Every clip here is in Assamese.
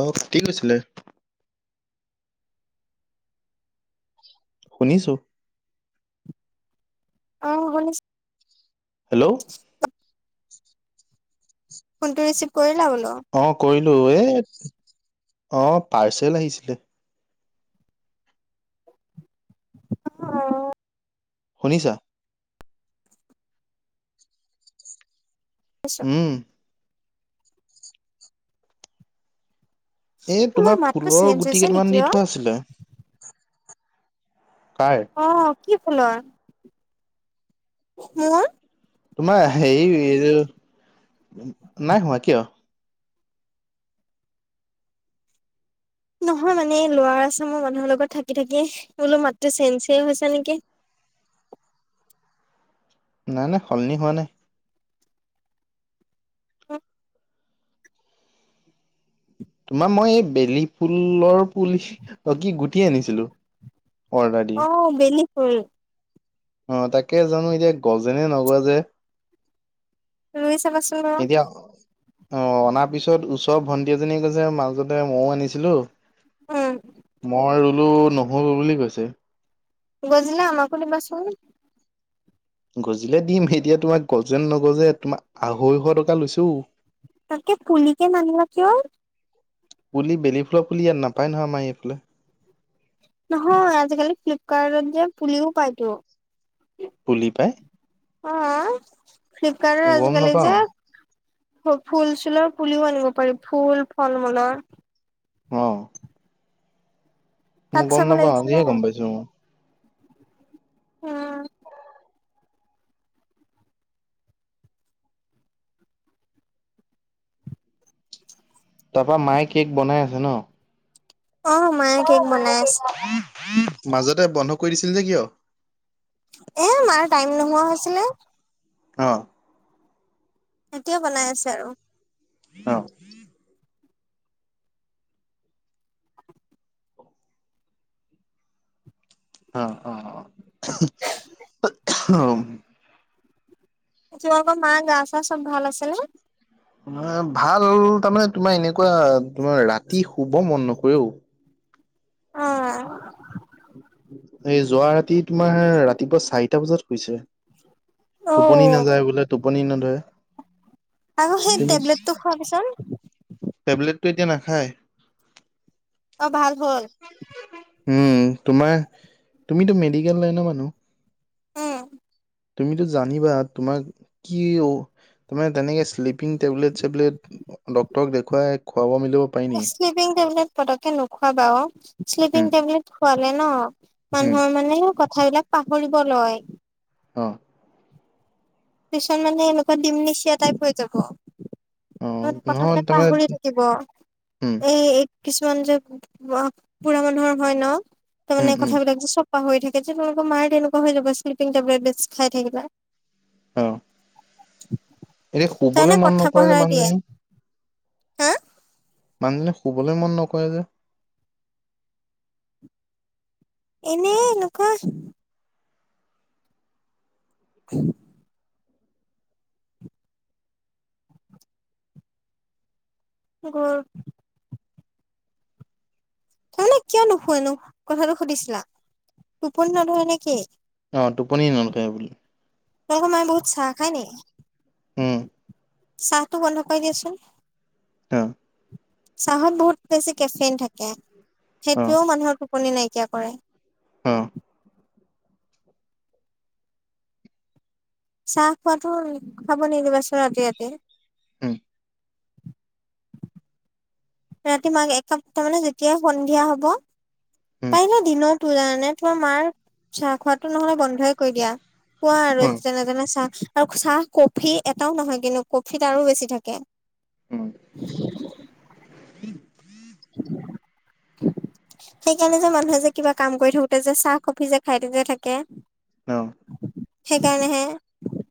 অ কি লৈছিলে? শুনিছো। অহ শুনিছো। হেল্ল'। ফোন টো ৰিচিভ কৰিলা বোলো। অ কৰিলো অ এই, অ পাৰ্চেল আহিছিলে। অ। শুনিছা। আচ্ছা। উম এ মোৰ তোমাৰ মাতটো ফুলৰ চেঞ্জ গুটি হৈছে কেইটামান নেকি দি অ'? থোৱা আছিলে। কাৰ। অ কি ফুলৰ, মোৰ তোমাৰ হেৰি এই যে, নাই হোৱা কিয়? নহয় মানে এই ল'ৰা আছে মোৰ মানুহৰ লগত থাকি থাকি, মই বোলো মাতটো চেঞ চে হৈছে নেকি। নাই নাই সলনি হোৱা নাই। [unintelligible] তোমাৰ মই এই বেলি ফুলৰ পুলি, অ কি গুটি আনিছিলো। অৰ্ডাৰ দি অ বেলি ফুল। অ তাকে জানো এতিয়া গজেনে নগজে। ৰুই চাবা চোন। এতিয়া, অ অনাৰ পিছত ওচৰৰ ভণ্টি এজনীয়ে কৈছে মাজতে মইয়ও আনিছিলো। উম, মই ৰুলো নহল বুলি কৈছে। গজিলে আমাকো দিবাচোন। গজিলে দিম এতিয়া তোমাক গজেনে নগজে তোমাৰ আঢ়ৈশ টকা লৈছো ও। তাকে পুলিকে নানিলা কিয়? পুলি বেলি ফুলৰ পুলি ইয়াত নাপায় নহয় আমাৰ এইফালে। নহয় আজিকালি ফ্লিপকাৰ্টত যে পুলিও পাইতো। পুলি পায়। অহ, ফ্লিপকাৰ্টত গম আজিকালি নাপাও যে ফু ফুল-চুলৰ পুলিও আনিব পাৰি ফুল ফল-মূলৰ। অহ তাত মই গম চাব নাপাওঁ লাগিছিলে আজিহে গম পাইছো অহ উম তাপা মায়ে কেক বনাই আছে ন। অহ মায়ে অহ কেক মায়ে বনাই কেক আছে বনাই মাজতে বন্ধ কৰি দিছিল যে কিয় এ মাৰ টাইম নোহোৱা হৈছিলে অহ এতিয়া বনাই আছে আৰু অহ অহ অহ অ ওহ তোমালোকৰ মাৰ গা চা চব ভাল আছে নে মা ভাল তাৰমানে তোমাৰ এনেকুৱা তোমাৰ ৰাতি শুব মন নকৰে অও অহ এই যোৱা ৰাতি তোমাৰ ৰাতিপুৱা চাৰিটা বজাত শুইছে। অ টোপনি নাযায় বোলে টোপনি নধৰে। আৰু সেই টেবলেট টো খুৱাৰ পিছত টেবলেটো এতিয়া নাখায় অ ভাল হ'ল উম তোমাৰ তুমিতো মেডিকেল লাইন মানুহ উম তুমিতো জানিবা তোমাক কি অ তোমাৰ তেনেকে শ্লিপিং টেবলেট চেবলেট ডক্তৰক দেখুৱাই খোৱাব মিলিব এ শ্লিপিং টেবলেট পতকে নোখোৱা ক শ্লিপিং উম, টেবলেট খোৱালে ন উম, মানুহৰ মানে কথাবিলাক পাহৰিব লয় অহ পিছত মানে এনেকুৱা ডিমনিচিয়া টাইপৰ হৈ যাব অ', য'ত নহয় কথাবিলাক তাৰমানে পাহৰি থাকিব উম, এই কিছুমান যে অহ বুঢ়া মানুহৰ হয় ন উম, তাৰমানে উম, কথাবিলাক যে চব পাহৰি থাকে যে তোলোকৰ মায়ে তেনেকুৱা হৈ যাব শ্লিপিং টেবলেটে বেছি খাই থাকিলে অহ তাৰ মানে কথা নকৰে যে পাহৰাই দিয়ে মানুহজনী, হা মানুহজনে শুবলে মন নকৰে যে এনেই এনেকুৱা [unintelligible] গল তাৰমানে কিয় নোশুয়ে কথাটো সুধিছিলা টোপনি নধৰে নে কি অ টোপনি নলকে বুল তোমালোকৰ মায়ে বহুত চাহ খায় নি উম চাহ তো বন্ধ কৰি দেচোন অ চাহত বহুত বেছি কেফেইন থাকে অ', সেইটোৱেও মানুহৰ টোপনি নাইকিয়া কৰে অঁ চাহ খোৱাতো খাব নিদিবা চোন ৰাতি ৰাতি হম ৰাতি মাক একাপ মানে যেতিয়াই সন্ধিয়া হব উম, পাৰিলে দিনতো জানা নে তোমাৰ মাৰ চাহ খোৱাটো নহলে বন্ধই কৰি দিয়া কোৱা আৰু উম, যেনে তেনে চাহ আৰু চাহ কফি এটাও নহয় কিন্তু কফিত আৰু বেছি থাকে উম [unintelligible] সেই কাৰণে যে মানুহে যে কিবা কাম কৰি থাকোতে যে চাহ কফি যে খাই থাকে থাকে অ', [unintelligible] সেইকাৰণেহে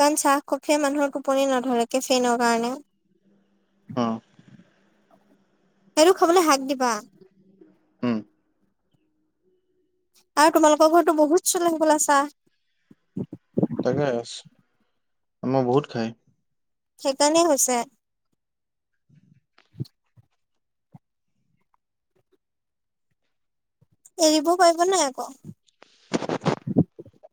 কাৰণ চাহ কফিয়ে মানুহৰ টোপনি নধৰে কেফেনৰ কাৰণে অ', এইটো খাবলে হাক দিবা উম, আৰু তোমালোকৰ ঘৰততো বহুত চলে হবলা চাহ তাকেচ আমউ বহুত খাই সেইকাৰণে হৈছে [unintelligible] এৰিবও পাৰিব নাই আকৌ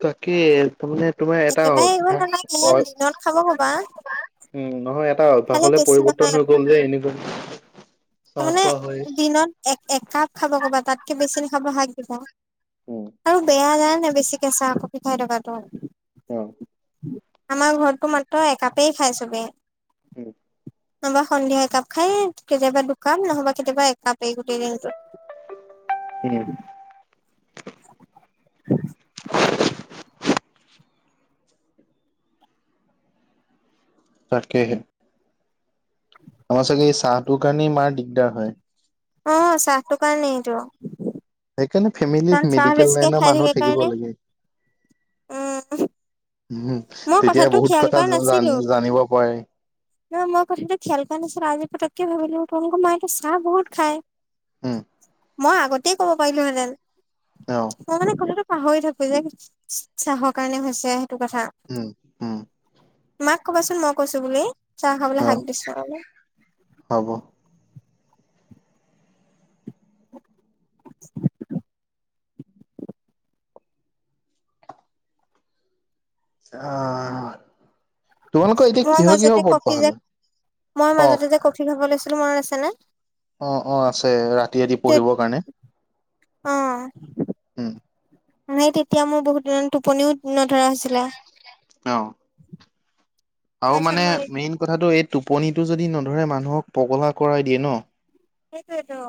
বাকী তো মানে তোমাৰ এটা একেবাৰে এৰিব অভ্যাস নালাগে হয় দিনত খাব ক'বা উম নহয় এটা খালি অভ্যাসলে বেছি নহয় পৰিৱৰ্তন আৰু। হৈ গল যে এনেকুৱা চাহ খোৱা হয়। তাৰমানে দিনত এক একাপ খাব ক'বা তাতকে বেছি নেখাব শাক দিবা উম, আৰু বেয়া জানা নাই বেছিকে চাহ কফি খাই থকাটো অ আমাৰ ঘৰততো মাত্ৰ একাপেই খাই চবে উম, নহবা সন্ধিয়া একাপ খাই কেতিয়াবা দুকাপ নহবা কেতিয়াবা একাপ এই গোটেই দিনটোত উম [unintelligible] [unintelligible] তাকেহে [unintelligible] আমাৰ চাগে এই চাহটোৰ কাৰণেই মাৰ দিগদাৰ হয় অ চাহটো কাৰণেই এইটো সেইকাৰণে ফেমিলিত কাৰণ চাহ মেডিকেল বেছিকে লাইনৰ খাই মানুহ থাকে থাকিব কাৰণে লাগে উম উম মই তেতিয়া কথাটো বহুত খিয়াল কথা কৰা জা জান জানিব পাৰে নহয় মই কথাটো খিয়াল কৰা নাছিলো আজি পটকে ভাবিলো তোমোলোকৰ মাইটো চাহ বহুত খায় উম, মই আগতেই কব পাৰিলো হেঁতেন অ', মই মানে কথাটো পাহৰি থাকো যে চাহৰ কাৰণে হৈছে সেইটো কথা উ উম মাক কবাচোন মই কৈছো বুলি চাহ খাবলে অ', শাক দিছো বুলি হ'ব [unintelligible] অঁ অ। তোমালোকৰ এতিয়া মই কিহ মাজতে কিহৰ পদ পোৱা হলে অঁহ। কি খাব লৈছিলো মনত আছে নে। অঁ অঁ আছে ৰাতি ৰাতি পঢ়িবৰ কাৰণে। অঁ। উম। মানে তেতিয়া মোৰ বহুত দিনত টোপনিও নধৰা হৈছিলে। এ অঁ। [unintelligible] আৰু তাৰপিছত মানে মই মেইন কথাটো এই টোপনিটো যদি নধৰে মানুহক পগলা কৰাই দিয়ে ন। সেইটোৱেটো।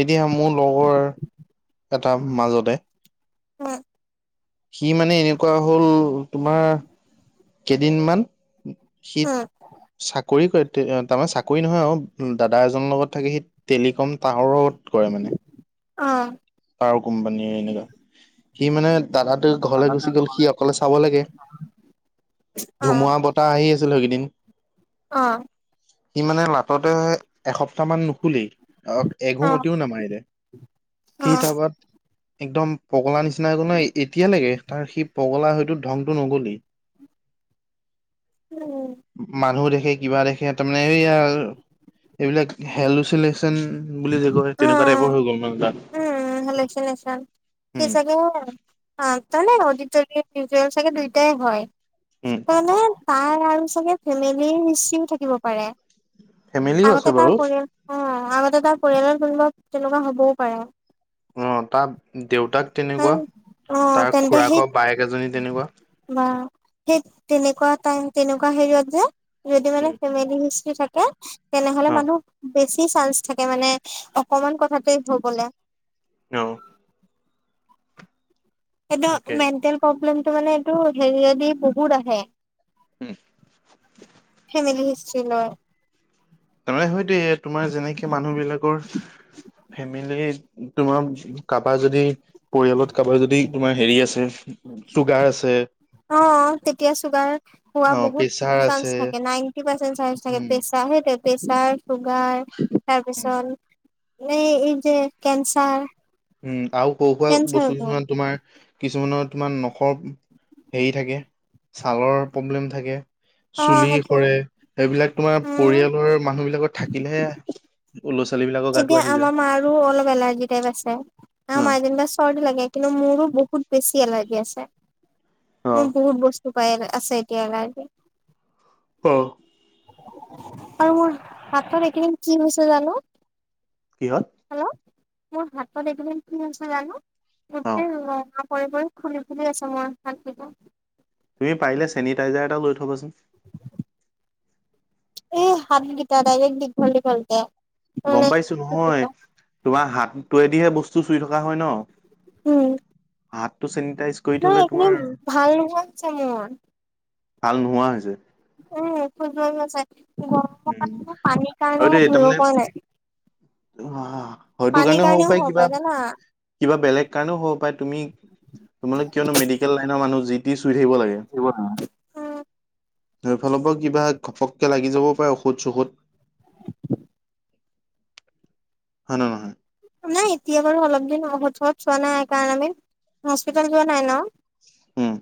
এদিয়া মোৰ লগৰ এটা মাজতে। উম। সি মানে এনেকুৱা হ'ল তোমাৰ কেদিনমান সীত উম চাকৰি কৰে। তাৰমানে চাকৰি নহয় আৰু দাদা এজনৰ লগত থাকি সি টেলিকম পাহ লগত কৰে মানে অ পাহৰ কোম্পানীৰ এনেকুৱা সি মানে দাদাটো ঘৰলে গুচি গ'ল সি অকলে চাব লাগে। অ ধুমুহা বতাহ আহি আছিলো এগেদিন। অঁ। সি মানে লাটতে এসপ্তাহ মান নুখুলেই অঁ। অ এঘুমতিও নামাৰিলে সি থাবাত একদম পগলা নিচিনা এজনয় এতিয়ালেকে তাৰ সি পগলা হয়তো ধংটো নগ'লেই। উম'। মানুহ দেখে কিবা দেখে, তাৰমানে এইয়া এইবিলাক হেলচিলেচন বুলি যে কয় তেনেকুৱা টাইপৰ অঁ, হৈ গ'ল মানে তাত উম' হে লেচেন লেচেন সি উম চাগে- অ' তানে অডিটৰিয়াম মিউজেল চাগে দুইটাই হয়। উম মানে তাই আৰু চাগে ফেমিলিৰ হিষ্ট্ৰীও থাকিব পাৰে। ফেমিলিও আছে আগতে তাৰ বাৰু পৰিয়াল অঁ' আগতে তাৰ পৰিয়ালৰ কোনোবা তেনকা হ'বও পাৰে। অঁ' তাত দেউতাক তেনেকুৱা, কাৰণ অ তাৰ তেন্তে সেই খু়ৰাকৰ বায়েক এজনী তেনেকুৱা। বা তেইত তেনেকুৱা টাইম তেনেকুৱা হেৰিয়ত যে- যদি মানে উম ফেমিলি হিষ্ট্ৰী থাকে তেনেহলে অ মানুহ বেছি চান্স থাকে মানে। অকমান কথাতেই ভূ'বলে। অঁ' এইট তাকে মেণ্টেল প্ৰব্লেমটো মানে এইটো হেৰিয়েদি বহুত আহে। উম'। ফেমিলি হিষ্ট্ৰ্ৰী লয়। তাৰমানে সেইটোৱেই তোমাৰ যেনেকে মানুহ বিলাকৰ ফেমিলিত তোমা কাবা যদি পৰিয়ালত কাবাৰ যদি তোমাৰ হেৰি আছে, চুগাৰ আছে। অঁ অ তেতিয়া চুগাৰ হোৱা অ বহুত প্ৰেছাৰ আছে চান্স থাকে নাইনটি পাৰ্চেন্ট চান্স থাকে উম তেজ- তা সেইটো প্ৰেচাৰ চুগাৰ তাৰ উম পিছত এই এই যে কেন্সাৰ উম আৰু সৰু সুৰা বস্তু কিছুমান তোমাৰ কিছুমানৰ তোমাৰ নখৰ হেৰি থাকে, ছালৰ প্ৰব্লেম থাকে, অ চুলি সেইটোৱে সৰে এইবিলাক তোমাৰ উম পৰিয়ালৰ মানুহ বিলাকৰ থাকিলেহে [unintelligible] ছোৱালী বিলাকত এতিয়া আমাৰ মাৰো অলপ এলাৰ্জি টাইপ আছে, আমাৰ অ মাৰ যেনিবা চৰ্দি লাগে। কিন্তু মোৰো বহুত বেছি এলাৰ্জি আছে, অ মোৰ বহুত ব- স্তু পাই আছে এতিয়া এলাৰ্জী। অ'। আৰু মোৰ হাতত এইকেইদিন কি হৈছে জানো। কিহত হেল্ল', মোৰ হাতখন এইকেইদিন কি হৈছে জানো অ গোটেই ৰঙা পৰি পৰি ফুলি ফুলি আছে মোৰ হাতকেইখন তুমি পাৰিলে চেনিটাইজাৰ এটাও লৈ থবাচোন। এ হাত গিতা দাইৰেক্ট দিঘল দিঘলকে। গম পাইছো নহয় তোমাৰ হাত তোৱেদিহে বস্তু চুই থকা হয় ন। উম হাতটো চেনিটাইজ কৰি না থলে তোমাৰ এইকেইদিন ভাল নোহোৱা হৈছে মোৰ। ভাল নোহোৱা হৈছে। উম খজুৱাই আছে গৰমৰ উম কাৰণে নে পানীৰ হয় কাৰণে মই দেই ধৰিব তাৰমানে পৰা নাই। পানী কাৰণেও হ'ব পাৰে জানা। কিবা বেলেগ কাৰণেও হ'ব পাৰে, তুমি মানে কিয়নো মেডিকেল লাইনৰ মানুহ যি টি চুই থাকিব লাগে, উম, সেইফালৰ পৰাও কিবা ঘপককে লাগি যাব পাৰে ঔষধ চৌষধ। [unintelligible] হয়নে নহয়? নাই এতিয়া বাৰু অলপ দিন ঔষধ চৌষধ চোৱা নাই, কাৰণ আমি হস্পিতেল যোৱা নাই ন। উম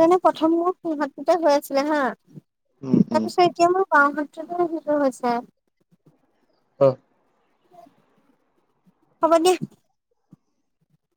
তেনে প্ৰথম মোৰ সোঁ হাততে হৈ আছিলে হা উম উম পিছে এতিয়া মোৰ বাওঁ হাততে সেইটো হৈছে অ হ'ব দিয়া